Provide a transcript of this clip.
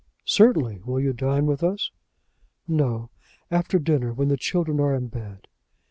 "Certainly. Will you dine with us?" "No; after dinner; when the children are in bed."